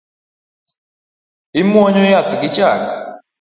Imuonyo yath gi chak